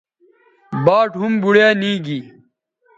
باٹ ھُم بوڑیا نی گی